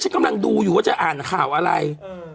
กำลังดูอยู่ว่าจะอ่านข่าวอะไร